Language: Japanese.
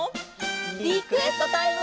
リクエストタイム！